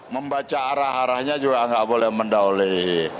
membaca arah arahnya juga nggak boleh mendauli